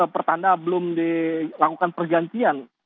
pertanda belum dilakukan pergantian